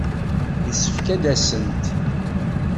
Yessefk ad d-asent.